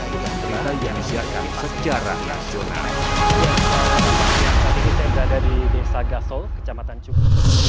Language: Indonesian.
terutama dengan berita yang disiarkan secara rasional